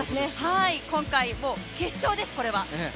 今回、決勝です、これは。